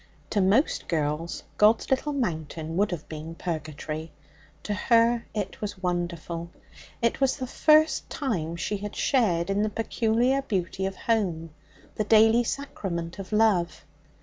To most girls, God's Little Mountain would have been purgatory. To her it was wonderful. It was the first time she had shared in the peculiar beauty of home, the daily sacrament of love.